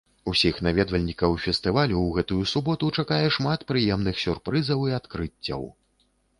Усіх наведвальнікаў фестывалю ў гэтую суботу чакае шмат прыемных сюрпрызаў і адкрыццяў.